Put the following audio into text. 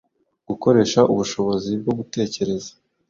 gukoresha ubushobozi bwo gutekereza :